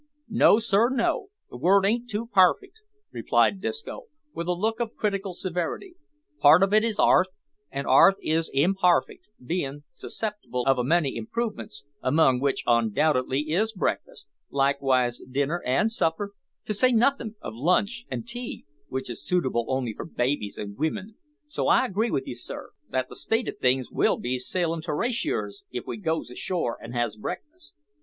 "No, sir, no; the word ain't too parfect," replied Disco, with a look of critical severity; "part of it is 'arth, and 'arth is imparfect, bein' susceptible of a many improvements, among which undoubtedly is breakfast, likewise dinner an' supper, to say nothin' of lunch an' tea, which is suitable only for babbies an' wimen; so I agrees with you, sir, that the state o' things will be sailumterraciouser if we goes ashore an' has breakfast."